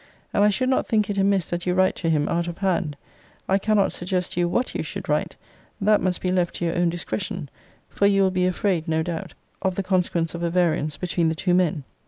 And I should not think it amiss that you write to him out of hand. I cannot suggest to you what you should write. That must be left to your own discretion. For you will be afraid, no doubt, of the consequence of a variance between the two men.